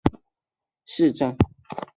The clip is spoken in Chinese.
金钦格是德国巴伐利亚州的一个市镇。